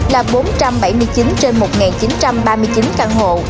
là bốn trăm bảy mươi chín trên một chín trăm ba mươi chín căn hộ